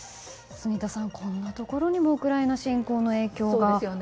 住田さん、こんなところにもウクライナ侵攻の影響が。